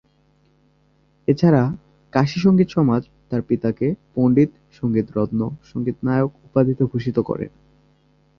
এছাড়া ‘কাশী সঙ্গীত সমাজ’ তাঁর পিতাকে ‘পণ্ডিত’, ‘সঙ্গীত রত্ন’, ‘সঙ্গীত নায়ক’ উপাধিতে ভূষিত করে।